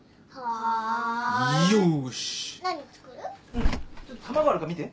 うんちょっと卵あるか見て。